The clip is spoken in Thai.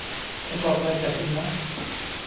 ฉันบอกอะไรแก่คุณนะ